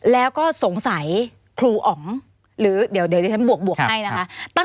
แล้วก็สงสัยครูอ๋องหรือเดี๋ยวที่ฉันบวกให้นะคะ